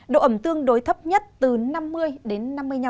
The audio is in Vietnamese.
độ ẩm tương đối thấp nhất từ năm mươi đến năm mươi năm